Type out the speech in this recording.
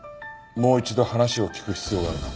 もう一度話を聞く必要があるな。